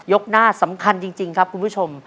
หน้าสำคัญจริงครับคุณผู้ชม